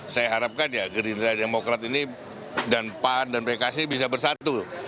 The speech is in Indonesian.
saya harapkan ya gerindra dan demokrat ini dan pah dan pekasi bisa bersatu